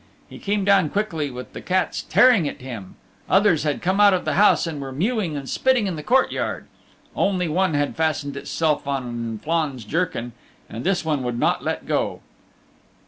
He came down quickly with the cats tearing at him. Others had come out of the house and were mewing and spitting in the courtyard. Only one had fastened itself on Flann's jerkin, and this one would not let go.